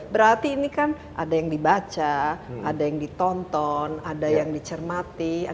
berarti ini kan ada yang dibaca ada yang ditonton ada yang dicermati